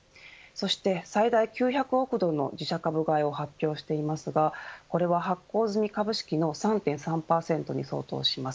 そして最大９００億ドルの自社株買いを発表していますがこれは発行済み株式の３．３％に相当します。